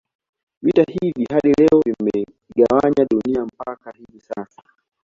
Vita hivi hadi leo vimeigawanya Dunia mpaka hivi sasa